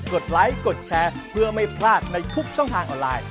ดไลค์กดแชร์เพื่อไม่พลาดในทุกช่องทางออนไลน์